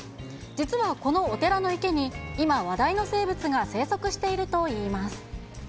実はこのお寺の池に、今話題の生物が生息しているといいます。